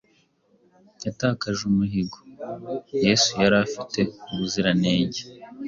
yatakaje umuhigo. 'Yesu yari afite ubuziranenge?